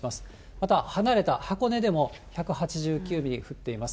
また離れた箱根でも１８９ミリ降っています。